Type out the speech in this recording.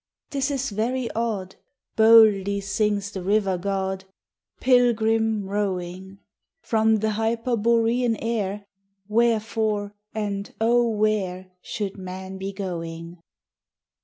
This is very odd! Boldly sings the river god: 'Pilgrim rowing! From the Hyperborean air Wherefore, and O where Should man be going?